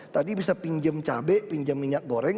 tadi bisa pinjam cabai pinjam minyak goreng